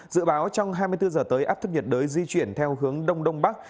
dự báo trong hai mươi bốn giờ tới áp thấp nhiệt đới di chuyển theo hướng đông đông bắc